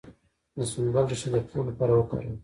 د سنبل ریښه د خوب لپاره وکاروئ